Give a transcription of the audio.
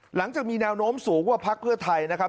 หลังจากมีแนวโน้มสูงว่าพักเพื่อไทยนะครับ